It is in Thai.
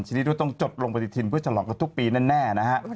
ทีนี้ก็ต้องจบลงปฏิทินเพื่อฉลองกันทุกปีแน่นะฮะ